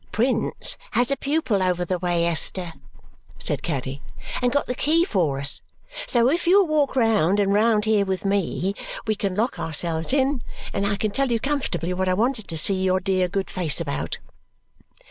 "Prince has a pupil over the way, Esther," said Caddy, "and got the key for us. So if you will walk round and round here with me, we can lock ourselves in and I can tell you comfortably what I wanted to see your dear good face about."